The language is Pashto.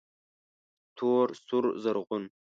تور، سور، رزغون